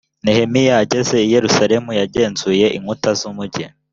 nehemiya ageze i yerusalemu yagenzuye inkuta z umugi